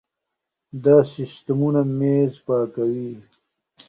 دا سیستمونه مېز پاکوي.